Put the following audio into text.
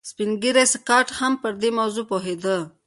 سپین ږیری سکاټ هم پر دې موضوع پوهېده